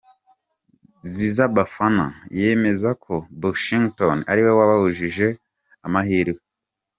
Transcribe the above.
Ziza Bafana yemeza ko Bushington ari we wamubujije amahirwe.